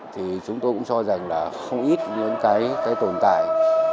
thì chúng tôi cũng cho rằng là không ít những cái tồn tại